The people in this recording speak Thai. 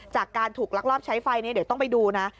จากการถูกลักลอบใช้ไฟนี้เดี๋ยวต้องไปดูนะ